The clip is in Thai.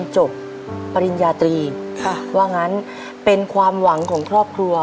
จบปริญญาตรีค่ะว่างั้นเป็นความหวังของครอบครัว